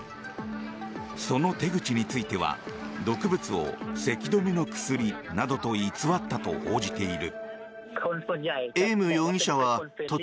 その手口については毒物を、せき止めの薬などと偽ったと報じている。